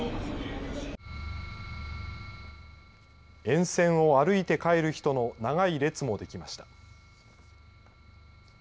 沿線を歩いて帰る人の長い列も出来ました。